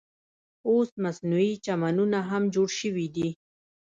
اوس مصنوعي چمنونه هم جوړ شوي دي.